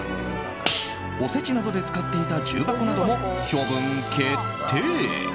おせちなどで使っていた重箱なども処分決定。